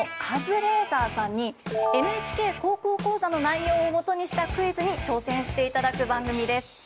カズレーザーさんに「ＮＨＫ高校講座」の内容を基にしたクイズに挑戦していただく番組です。